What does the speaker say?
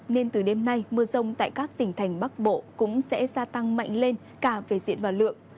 nên từ đêm nay mưa rông tại các tỉnh thành bắc bộ cũng sẽ gia tăng mạnh lên cả về diện và lượng